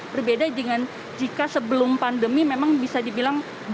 berbeda dengan jika sebelum pandemi memang bisa dibilang belum terlalu efektif